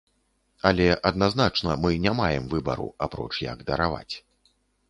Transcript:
Але, адназначна, мы не маем выбару, апроч як дараваць.